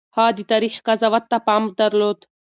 هغه د تاريخ قضاوت ته پام درلود.